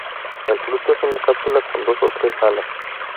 El Fruto es una cápsula, con dos o tres alas.